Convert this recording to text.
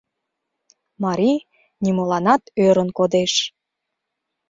Марий нимоланат ӧрын кодеш.